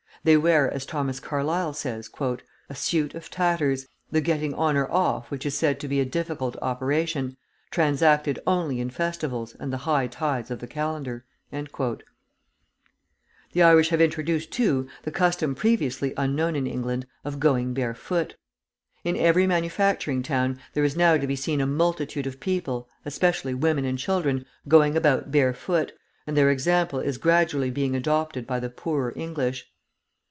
They wear, as Thomas Carlyle says, "A suit of tatters, the getting on or off which is said to be a difficult operation, transacted only in festivals and the high tides of the calendar." The Irish have introduced, too, the custom previously unknown in England, of going barefoot. In every manufacturing town there is now to be seen a multitude of people, especially women and children, going about barefoot, and their example is gradually being adopted by the poorer English.